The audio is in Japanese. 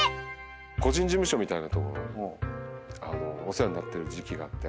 個人事務所みたいな所にお世話になってる時期があって。